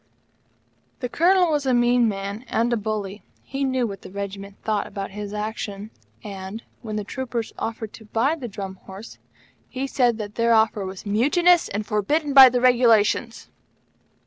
The Colonel was a mean man and a bully. He knew what the Regiment thought about his action; and, when the troopers offered to buy the Drum Horse, he said that their offer was mutinous and forbidden by the Regulations.